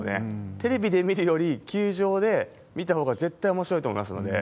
テレビで見るより、球場で見たほうが絶対おもしろいと思いますので。